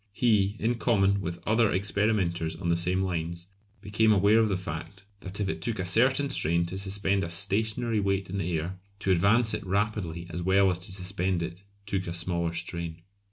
He, in common with other experimenters on the same lines, became aware of the fact that if it took a certain strain to suspend a stationary weight in the air, to advance it rapidly as well as to suspend it took a smaller strain.